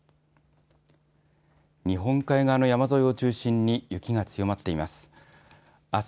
日本海側の山沿いを中心に雪が強まっています。